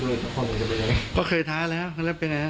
กับคนอื่นจะเป็นยังไงเคยท้าแล้วแล้วเป็นยังไงครับ